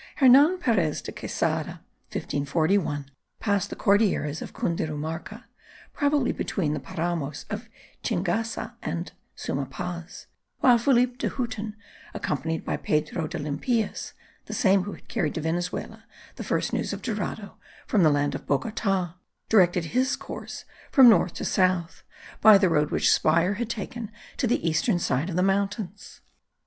Hernan Perez de Quesada (1541) passed the Cordilleras of Cundirumarca, probably between the Paramos of Chingasa and Suma Paz; while Felipe de Huten, accompanied by Pedro de Limpias (the same who had carried to Venezuela the first news of Dorado from the land of Bogota), directed his course from north to south, by the road which Speier had taken to the eastern side of the mountains.